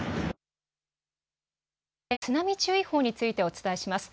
ここで津波注意報についてお伝えします。